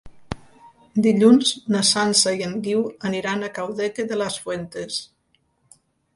Dilluns na Sança i en Guiu aniran a Caudete de las Fuentes.